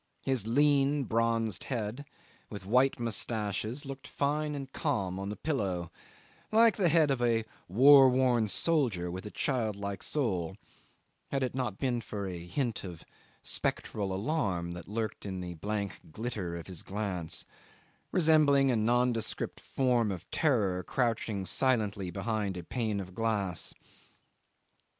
His lean bronzed head, with white moustaches, looked fine and calm on the pillow, like the head of a war worn soldier with a child like soul, had it not been for a hint of spectral alarm that lurked in the blank glitter of his glance, resembling a nondescript form of a terror crouching silently behind a pane of glass.